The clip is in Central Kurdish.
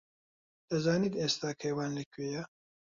دەزانیت ئێستا کەیوان لەکوێیە؟